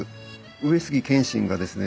上杉謙信がですね